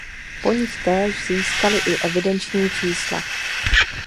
Po nich též získaly i evidenční čísla.